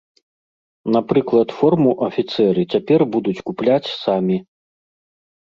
Напрыклад, форму афіцэры цяпер будуць купляць самі.